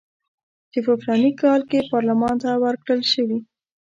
چې په فلاني کال کې پارلمان ته ورکړل شوي.